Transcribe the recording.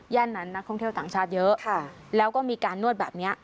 นั้นนักท่องเที่ยวต่างชาติเยอะแล้วก็มีการนวดแบบนี้